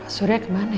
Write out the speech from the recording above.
pak surya kemana ya